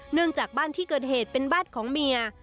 เนื่องจากบ้านที่เกิดเหตุเป็นบ้านของเมีย